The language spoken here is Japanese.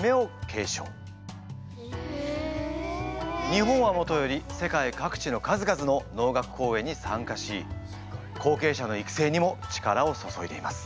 日本はもとより世界各地の数々の能楽公演に参加し後継者の育成にも力を注いでいます。